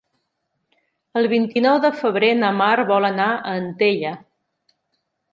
El vint-i-nou de febrer na Mar vol anar a Antella.